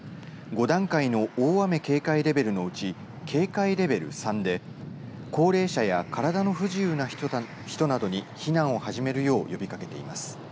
５段階の大雨警戒レベルのうち警戒レベル３で高齢者や体の不自由な人などに避難を始めるよう呼びかけています。